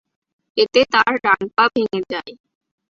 এতে তাঁর ডান পা ভেঙে যায়।